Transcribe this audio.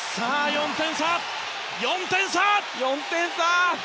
４点差！